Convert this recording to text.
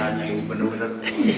salahnya ini bener bener